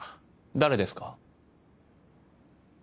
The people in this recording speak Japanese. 誰ですか？